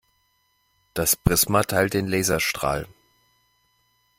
Das Prisma teilt den Laserstrahl.